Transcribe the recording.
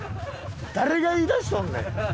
誰が言い出しとんねん！